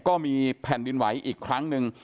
ก็มีแผ่นดินไหวอีกครั้งหนึ่ง